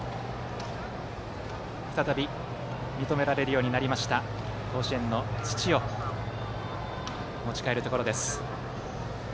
再び認められるようになった甲子園の土を持ち帰るところです。